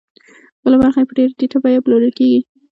بله برخه یې په ډېره ټیټه بیه پلورل کېږي